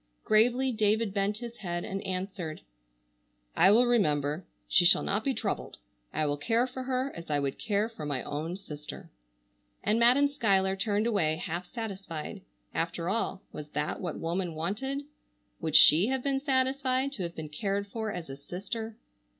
Gravely David bent his head and answered: "I will remember. She shall not be troubled. I will care for her as I would care for my own sister." And Madam Schuyler turned away half satisfied. After all, was that what woman wanted? Would she have been satisfied to have been cared for as a sister?